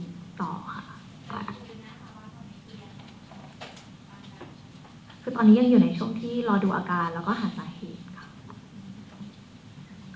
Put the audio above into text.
คือตอนนี้ยังอยู่ในช่วงที่รอดูอาการแล้วก็หาสาเหตุค่ะ